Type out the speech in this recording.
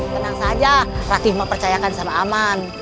tenang saja ratih mau percayakan sama aman